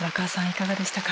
いかがでしたか？